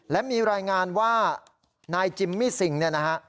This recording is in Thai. และมีรายงานว่านายจิมมี่สิงห์